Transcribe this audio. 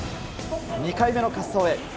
２回目の滑走へ。